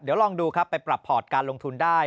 เดี๋ยวลองดูครับไปปรับพอร์ตการลงทุนได้